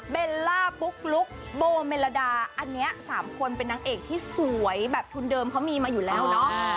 เบลล่าปุ๊กลุ๊กโบเมลดาอันนี้๓คนเป็นนางเอกที่สวยแบบทุนเดิมเขามีมาอยู่แล้วเนาะ